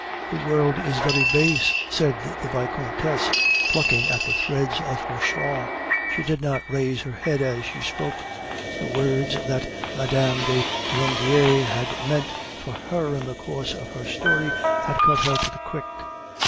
"The world is very base," said the Vicomtesse, plucking at the threads of her shawl. She did not raise her head as she spoke; the words that Mme. de Langeais had meant for her in the course of her story had cut her to the quick.